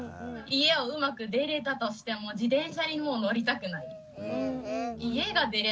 家をうまく出れたとしても自転車にもう乗りたくない。